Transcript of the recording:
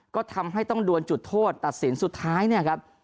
ก็ทำให้ต้องดวนจุดโทษตัดสินสุดท้ายเนี่ยครับ